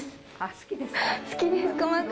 好きですか？